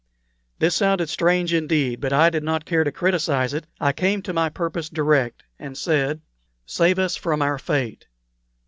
This sounded strange indeed; but I did not care to criticize it. I came to my purpose direct and said, "Save us from our fate."